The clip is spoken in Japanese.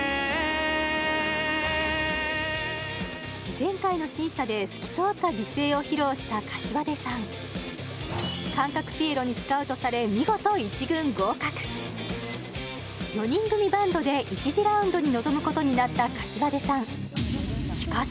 前回の審査で透き通った美声を披露した膳さん感覚ピエロにスカウトされ見事１軍合格４人組バンドで１次ラウンドに臨むことになった膳さん